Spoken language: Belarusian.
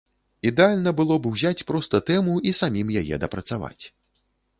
Ідэальна было б узяць проста тэму і самім яе дапрацаваць.